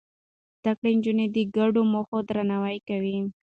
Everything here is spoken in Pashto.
زده کړې نجونې د ګډو موخو درناوی کوي.